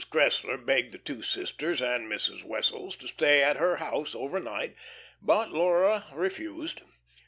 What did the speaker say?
Cressler begged the two sisters and Mrs. Wessels to stay at her house over night, but Laura refused.